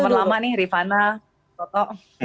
teman teman lama nih rifana toto